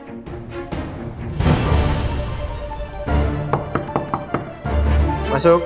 masih masih yakin